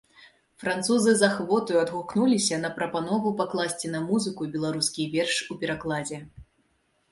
Французы з ахвотаю адгукнуліся на прапанову пакласці на музыку беларускі верш у перакладзе.